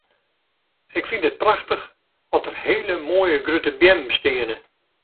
Ik fyn it prachtich at der hele moaie grutte beammen steane.